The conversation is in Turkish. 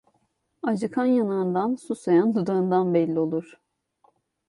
Acıkan yanağından, susayan dudağından belli olur.